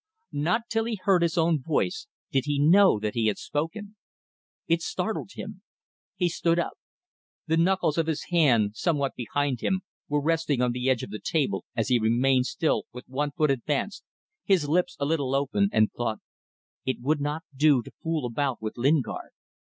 Not till he heard his own voice did he know that he had spoken. It startled him. He stood up. The knuckles of his hand, somewhat behind him, were resting on the edge of the table as he remained still with one foot advanced, his lips a little open, and thought: It would not do to fool about with Lingard.